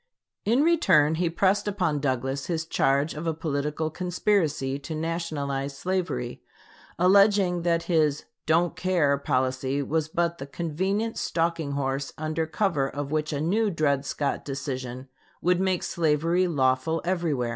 In return he pressed upon Douglas his charge of a political conspiracy to nationalize slavery, alleging that his "don't care" policy was but the convenient stalking horse under cover of which a new Dred Scott decision would make slavery lawful everywhere.